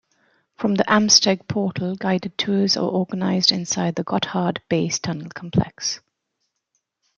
From the Amsteg portal, guided tours are organised inside the Gotthard Base Tunnel complex.